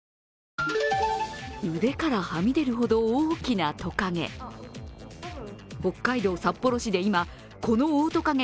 腕からはみ出るほど大きなトカゲ。